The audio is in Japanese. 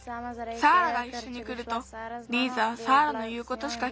サーラがいっしょにくるとリーザはサーラのいうことしかきかなくなるから。